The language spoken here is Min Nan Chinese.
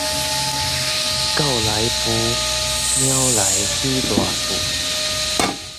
狗來富，貓來起大厝